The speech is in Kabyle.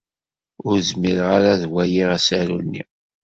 Ur zmireɣ ara ad waliɣ asaru-nni.